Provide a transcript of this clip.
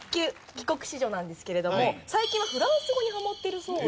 帰国子女なんですけれども最近はフランス語にハマってるそうで。